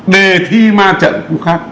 đề thi ma trận cũng khác